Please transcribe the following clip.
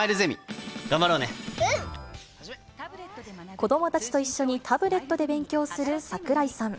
子どもたちと一緒にタブレットで勉強する櫻井さん。